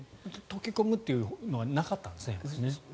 溶け込むというのはなかったんですね。